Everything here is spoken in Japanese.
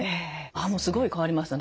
あもうすごい変わりましたね。